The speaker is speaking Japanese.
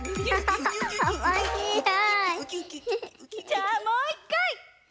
じゃあもう１かい！